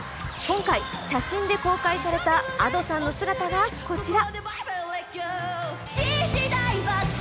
今回、写真で公開されたＡｄｏさんの姿がこちら。